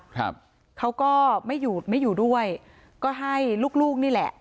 ครับเขาก็ไม่หยุดไม่อยู่ด้วยก็ให้ลูกลูกนี่แหละ